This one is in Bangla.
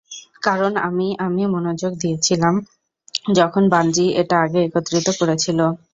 কারণ আমি-আমি মনোযোগ দিয়েছিলাম যখন বাঞ্জি এটা আগে একত্রিত করেছিলো।